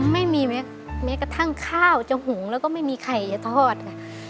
ไม่มีแม้กระทั่งข้าวจะหุงแล้วก็ไม่มีไข่จะทอดค่ะ